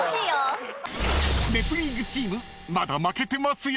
［ネプリーグチームまだ負けてますよ］